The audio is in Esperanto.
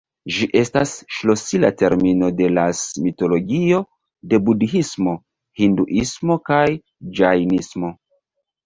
Ĝi estas ŝlosila termino de las mitologio de budhismo, hinduismo kaj ĝajnismo.